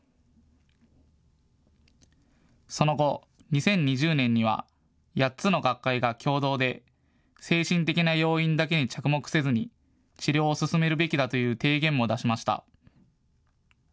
その後、２０２０年には８つの学会が共同で精神的な要因だけに着目せずに治療を進めるべきだという提言も出しました。